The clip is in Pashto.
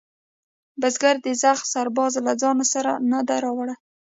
بزگر د زخ سرباڼه له ځانه سره نه ده راوړې.